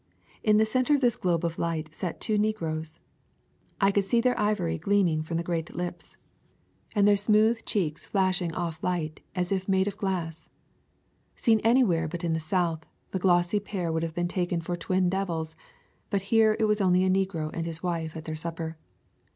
In the center of this globe of light sat two negroes. I could see their ivory gleaming from the great [ 105 ] A Thousand Mile W alk lips, and their smooth cheeks flashing off light as if made of glass. Seen anywhere but in the South, the glossy pair would have been taken for twin devils, but here it was only a negro and his wife at their supper.